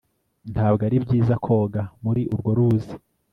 Ntabwo ari byiza koga muri urwo ruzi